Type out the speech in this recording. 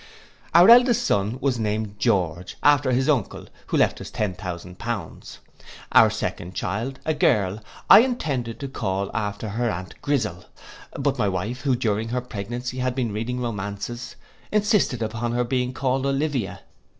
Our eldest son was named George, after his uncle, who left us ten thousand pounds. Our second child, a girl, I intended to call after her aunt Grissel; but my wife, who during her pregnancy had been reading romances, insisted upon her being called Olivia.